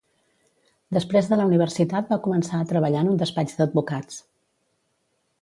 Després de la universitat va començar a treballar en un despatx d'advocats.